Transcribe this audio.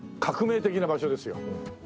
革命的な場所ですよ